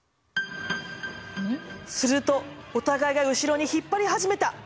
するとお互いが後ろに引っ張り始めた。